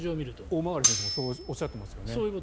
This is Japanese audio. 大曲先生もそうおっしゃっていますよね。